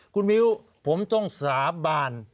คุณมิ้วผมต้องสาบาน